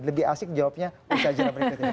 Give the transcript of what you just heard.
lebih asik jawabnya usaha jalan berikutnya